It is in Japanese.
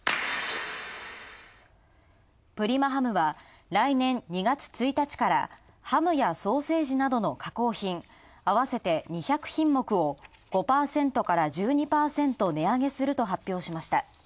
プリマハムは来年２月１日から、ハムやソーセージなどの加工品あわせて２００品目を５％から１２％値上げすると発表しました。